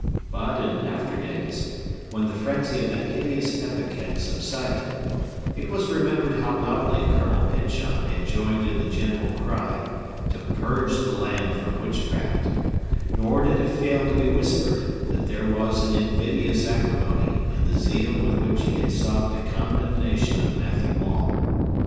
But, in after days, when the frenzy of that hideous epoch had subsided, it was remembered how loudly Colonel Pyncheon had joined in the general cry, to purge the land from witchcraft; nor did it fail to be whispered, that there was an invidious acrimony in the zeal with which he had sought the condemnation of Matthew Maule.